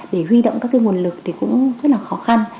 để huy động các nguồn lực thì cũng rất là khó khăn